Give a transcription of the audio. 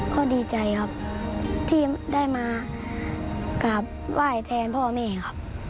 ก็ดีใจครับที่ได้มากราบไหว้แทนพ่อแม่ครับ